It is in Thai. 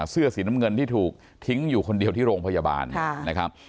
เสื้อสีน้ำเงินที่ถูกทิ้งอยู่คนเดียวที่โรงพยาบาลนะครับ